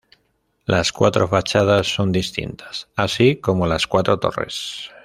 Las cuatro fachadas son distintas, así como las cuatro torres.